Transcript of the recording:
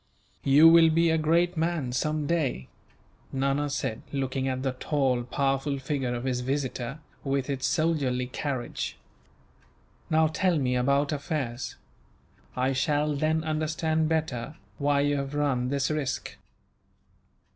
"You will be a great man, some day," Nana said, looking at the tall, powerful figure of his visitor, with its soldierly carriage. "Now, tell me about affairs. I shall then understand better why you have run this risk."